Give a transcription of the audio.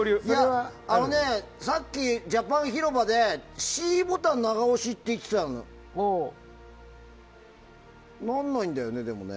さっきジャパン広場でＣボタン長押しって言ってたの。ならないんだよね、でも。